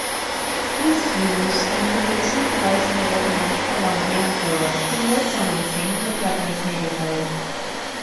These views included centralizing the government around the emperor, and Westernizing the Japanese military.